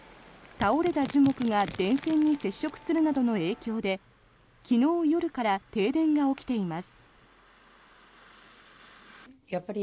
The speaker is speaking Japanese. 倒れた樹木が電線に接触するなどの影響で昨日夜から停電が起きています。